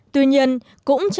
tuy nhiên cũng trong ngày làm việc